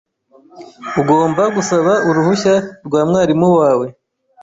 Ugomba gusaba uruhushya rwa mwarimu wawe .